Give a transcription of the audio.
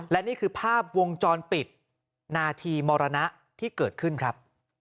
และนี่คือภาพวงจรปิดนาทีมรณะที่เกิดขึ้นครับ